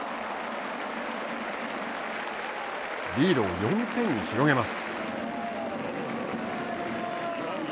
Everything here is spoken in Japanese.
リードを４点に広げます。